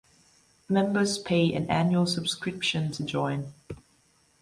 Members pay an annual subscription to join.